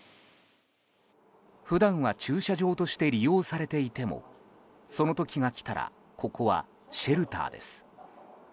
普段は駐車場として利用されていてもその時が来たらここはシェルターです。